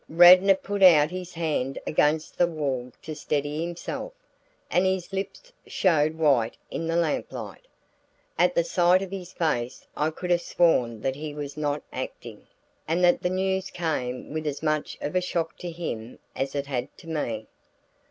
Radnor put out his hand against the wall to steady himself, and his lips showed white in the lamp light. At the sight of his face I could have sworn that he was not acting, and that the news came with as much of a shock to him as it had to me.